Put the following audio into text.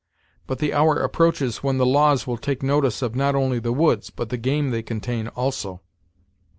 But the hour approaches when the laws will take notice of not only the woods, but the game they contain also."